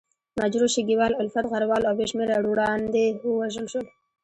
مجروح، شګیوال، الفت، غروال او بې شمېره روڼاندي ووژل شول.